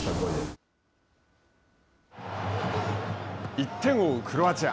１点を追うクロアチア。